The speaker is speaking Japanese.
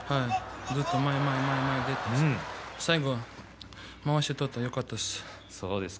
ずっと前に前に出て最後まわしを取ってよかったです。